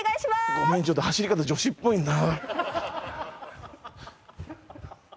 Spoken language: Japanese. ごめんちょっと走り方女子っぽいな。